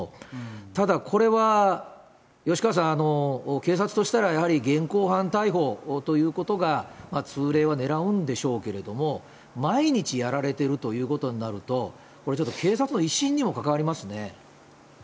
ただ、これは吉川さん、警察としたら、やはり現行犯逮捕ということが通例はねらうんでしょうけれども、毎日やられているということになると、これちょっと、警察の威信にも関わりますね。